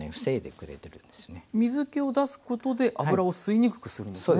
水けを出すことで油を吸いにくくするんですね。